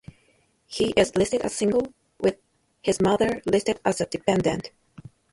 He is listed as single, with his mother listed as a dependent.